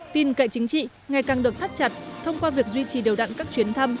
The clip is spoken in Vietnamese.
tin cậy chính trị ngày càng được thắt chặt thông qua việc duy trì đều đặn các chuyến thăm